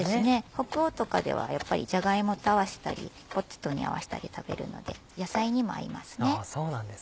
北欧とかではやっぱりジャガイモと合わせたりポテトに合わせたり食べるので野菜にも合いますね。